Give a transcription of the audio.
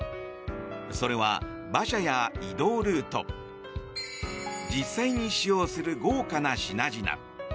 それは、馬車や移動ルート実際に使用する豪華な品々。